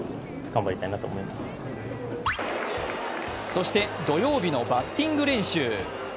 そして土曜日のバッティング練習。